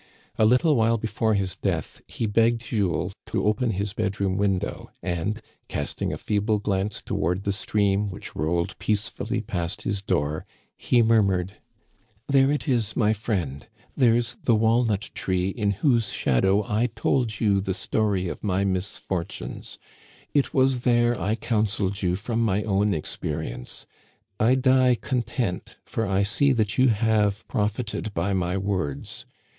A little while before his death he begged Jules to open his bed room window, and, casting a feeble glance toward the stream which rolled peacefully past his door, he murmured :'* There it is, my friend ; there's the walnut tree in whose shadow I told you the story of my misfortunes ; it was there I counseled you from my own experience. I die content, for I see that you have profited by my words.